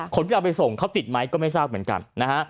คนที่เอาไปส่งเขาติดไหมก็ไม่ทราบเหมือนกันนะฮะ